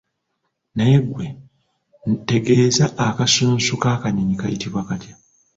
Naye ggwe ntegeeza akasunsu k'akanyonyi kayitibwa katya?